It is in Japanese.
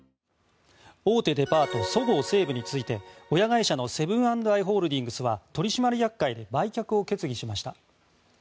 大手デパートそごう・西武について親会社のセブン＆アイ・ホールディングスは取締役会で売却を決議しました。